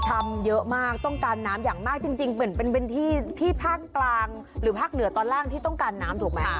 ทำเยอะมากต้องการน้ำอย่างมากจริงเหมือนเป็นที่ที่ภาคกลางหรือภาคเหนือตอนล่างที่ต้องการน้ำถูกไหม